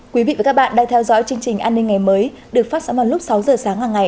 quý vị và các bạn đang theo dõi chương trình an ninh ngày mới được phát sóng vào lúc sáu giờ sáng hàng ngày